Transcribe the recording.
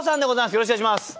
よろしくお願いします。